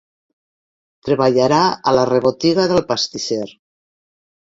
Treballarà a la rebotiga del pastisser.